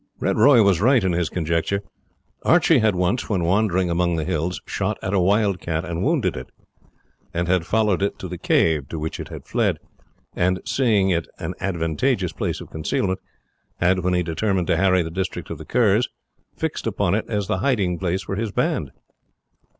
Red Roy was right in his conjecture. Archie had once, when wandering among the hills, shot at a wild cat and wounded it, and had followed it to the cave to which it had fled, and seeing it an advantageous place of concealment had, when he determined to harry the district of the Kerrs, fixed upon it as the hiding place for his band.